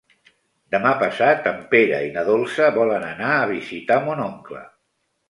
Demà passat en Pere i na Dolça volen anar a visitar mon oncle.